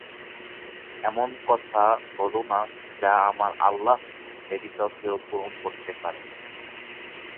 এমন কথা বলো না যা আমার আল্লাহ ব্যতীত কেউ পূরণ করতে পারে না।